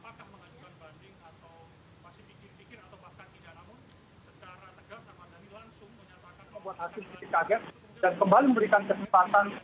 para penafian hukumnya untuk apakah mengajukan banding atau masih pikir pikir atau bahkan tidak